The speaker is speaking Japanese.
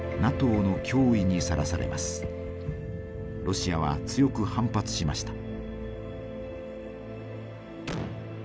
ロシアは強く反発しました。